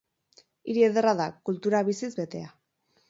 Hiri ederra da, kultura biziz betea.